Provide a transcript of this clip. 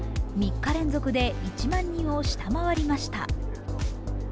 ３日連続で１万人を下回りました。